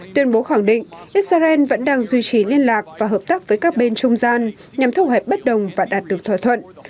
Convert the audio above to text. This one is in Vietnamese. tuyên bố khẳng định israel vẫn đang duy trì liên lạc và hợp tác với các bên trung gian nhằm thúc hẹp bất đồng và đạt được thỏa thuận